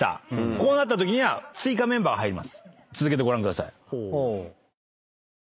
こうなったとき追加メンバーが入ります。